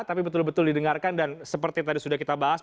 tapi betul betul didengarkan dan seperti tadi sudah kita bahas